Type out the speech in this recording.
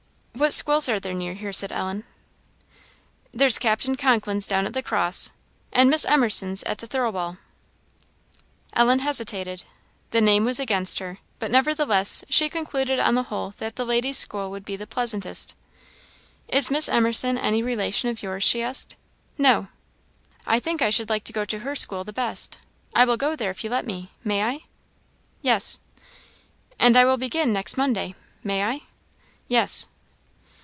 "What schools are there near here?" said Ellen. "There's Captain Conklin's down at the Cross, and Miss Emerson's at Thirlwall." Ellen hesitated. The name was against her, but nevertheless she concluded on the whole that the lady's school would be the pleasantest. "Is Miss Emerson any relation of yours?" she asked. "No." "I think I should like to go to her school the best. I will go there if you let me may I?" "Yes." "And I will begin next Monday may I?" "Yes."